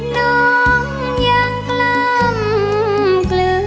น้องยังกล้ำเกลือ